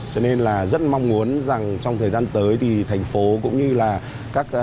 cho nên là rất mong muốn rằng trong thời gian tới thì thành phố cũng như là các